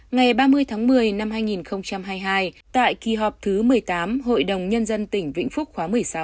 ngày ba mươi tháng một mươi năm hai nghìn hai mươi hai tại kỳ họp thứ một mươi tám hội đồng nhân dân tỉnh vĩnh phúc khóa một mươi sáu